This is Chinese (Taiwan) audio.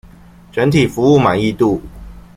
整體服務滿意度